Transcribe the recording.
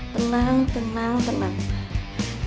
tenang tenang tenang